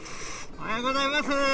おはようございます。